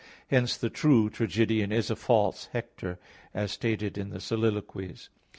Hence, "The true tragedian is a false Hector," as stated in Soliloq. ii, 6.